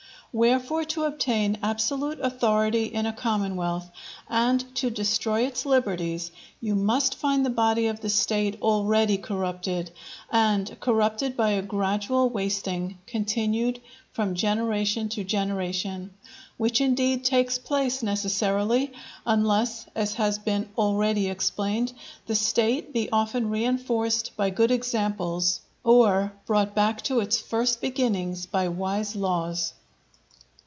Wherefore to obtain absolute authority in a commonwealth and to destroy its liberties, you must find the body of the State already corrupted, and corrupted by a gradual wasting continued from generation to generation; which, indeed, takes place necessarily, unless, as has been already explained, the State be often reinforced by good examples, or brought back to its first beginnings by wise laws.